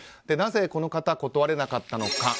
なぜこの方、断れなかったのか。